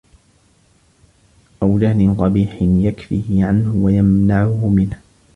أَوْ جَهْلٍ قَبِيحٍ يَكْفِهِ عَنْهُ وَيَمْنَعُهُ مِنْهُ